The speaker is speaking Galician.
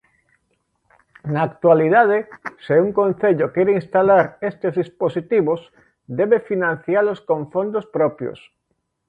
Na actualidade, se un Concello quere instalar estes dispositivos debe financialos con fondos propios.